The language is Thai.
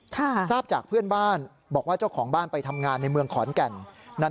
ทราบจากเพื่อนบ้านบอกว่าเจ้าของบ้านไปทำงานในเมืองขอนแก่น